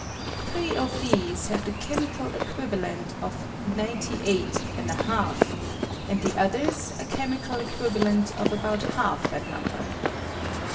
Three of these have the chemical equiv alent of 98J, and the others a chemical equiva lent of about half that number.